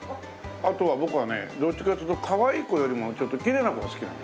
あとは僕はねどっちかっていうとかわいい子よりもちょっときれいな子が好きなのよ。